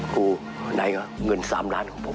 ครูไหนเงิน๓ล้านของผม